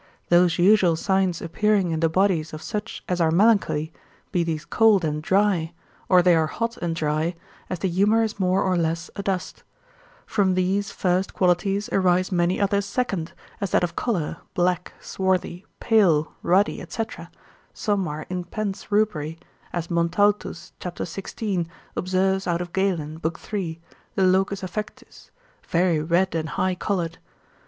Those usual signs appearing in the bodies of such as are melancholy, be these cold and dry, or they are hot and dry, as the humour is more or less adust. From these first qualities arise many other second, as that of colour, black, swarthy, pale, ruddy, &c., some are impense rubri, as Montaltus cap. 16 observes out of Galen, lib. 3, de locis affectis, very red and high coloured.